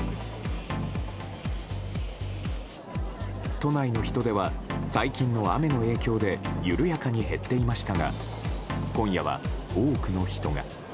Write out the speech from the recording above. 都内の人出は最近の雨の影響で緩やかに減っていましたが今夜は多くの人が。